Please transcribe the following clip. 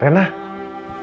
ada yang mau